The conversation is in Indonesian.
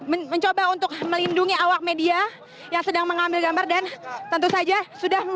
mencoba untuk melindungi awak media yang sedang mengambil gambar dan tentu saja sudah